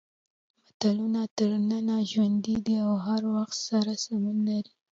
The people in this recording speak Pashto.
متلونه تر ننه ژوندي دي او د هر وخت سره سمون لري